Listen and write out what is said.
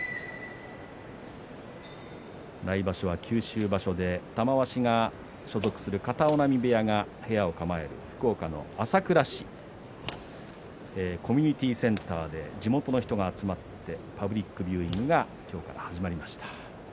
来場所は九州場所で玉鷲が所属する片男波部屋が部屋を構える福岡の朝倉市コミュニティーセンターで地元の人が集まってパブリックビューイングが今日から始まりました。